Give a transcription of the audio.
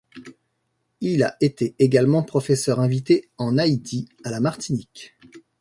Il a été également professeur invité en Haïti, à la Martinique.